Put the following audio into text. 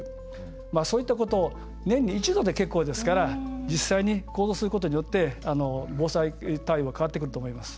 そういったことを年に一度で結構ですから実際に行動することで防災対応変わってくると思います。